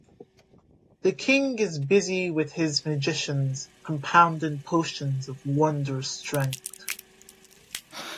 The king is busy with his magicians, compounding potions of wondrous strength.